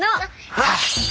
はっ。